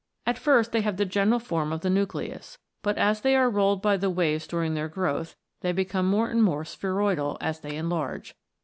At first they have the general form of the nucleus ; but, as they are rolled by the waves during their growth, they become more and more spheroidal as they enlarge.